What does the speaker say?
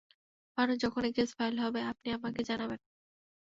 ভানু, যখনি case file হবে আপনি আমাকে জানাবেন।